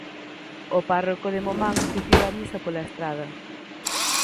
O párroco de Momán oficiou a misa pola estrada.